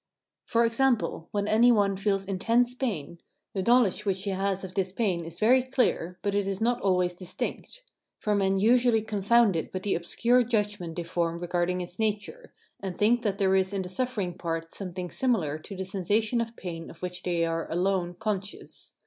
For example, when any one feels intense pain, the knowledge which he has of this pain is very clear, but it is not always distinct; for men usually confound it with the obscure judgment they form regarding its nature, and think that there is in the suffering part something similar to the sensation of pain of which they are alone conscious.